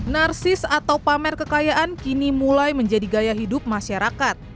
narsis atau pamer kekayaan kini mulai menjadi gaya hidup masyarakat